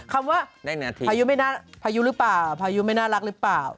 คำว่าพายุไม่น่ารักหรือเปล่า